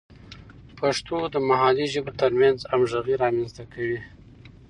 پښتو د محلي ژبو ترمنځ همغږي رامینځته کوي.